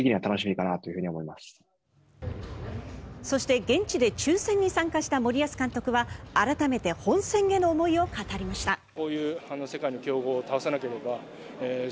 そして現地で抽選に参加した森保監督は改めて本戦への思いを語りました。